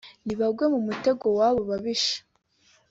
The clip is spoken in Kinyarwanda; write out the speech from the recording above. ntibagwe mu mutego w’abo babisha